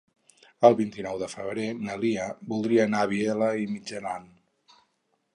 El vint-i-nou de febrer na Lia voldria anar a Vielha e Mijaran.